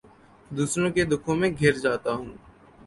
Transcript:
دوسروں کے دکھوں میں گھر جاتا ہوں